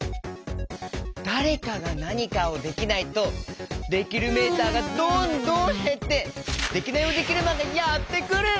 だれかがなにかをできないとできるメーターがどんどんへってデキナイヲデキルマンがやってくる！